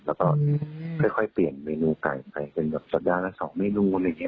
แล้วก็ค่อยเปลี่ยนเมนูไก่ไปเป็นแบบสัปดาห์ละ๒เมนูอะไรอย่างนี้